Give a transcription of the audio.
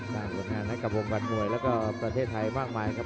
สร้างงานในกระบวงบันมวยและก็ประเทศไทยมากมายครับ